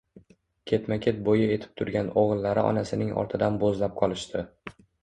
Ketma-ket bo`yi etib turgan o`g`illari onasining ortidan bo`zlab qolishdi